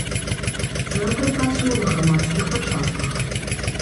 Цэнтр працуе на грамадскіх пачатках.